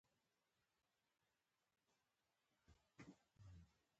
د افغانستان د موقعیت د افغان کلتور سره تړاو لري.